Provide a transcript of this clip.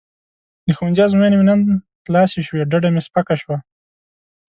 د ښوونځي ازموینې مو نن خلاصې شوې ډډه مې سپکه شوه.